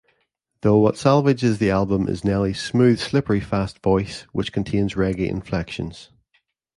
Though what salvages the album is Nelly's "smooth, slippery-fast" voice, which contains "reggae inflections".